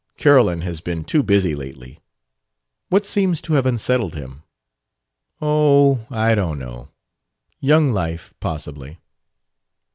Carolyn has been too busy lately. What seems to have unsettled him?" "Oh, I don't know. Young life, possibly."